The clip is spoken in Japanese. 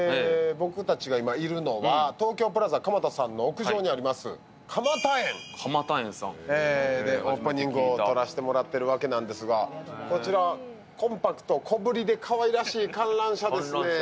僕たちが今いるのは東急プラザ蒲田の屋上にありますかまたえんでオープニングを撮らせてもらってるわけなんですが、こちら、コンパクト、小ぶりでかわいらしい観覧車ですね。